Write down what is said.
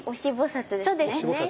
そうですね是非。